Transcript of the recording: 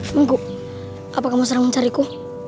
mangku apa kamu serang mencariku